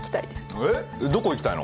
えっどこ行きたいの？